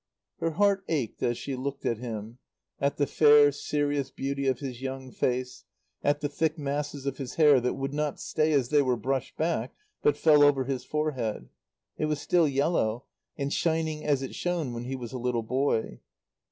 Her heart ached as she looked at him; at the fair, serious beauty of his young face; at the thick masses of his hair that would not stay as they were brushed back, but fell over his forehead; it was still yellow, and shining as it shone when he was a little boy.